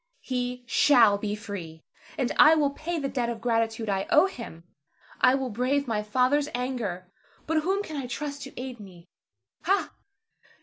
He shall be free, and I will pay the debt of gratitude I owe him. I will brave my father's anger; but whom can I trust to aid me? Ha!